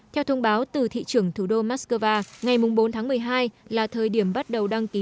theo thông báo từ thị trưởng thủ đô mắc cơ va ngày bốn tháng một mươi hai là thời điểm bắt đầu đăng ký